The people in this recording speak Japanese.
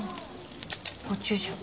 コチュジャン。